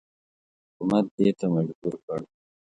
حکومت دې ته مجبور کړ.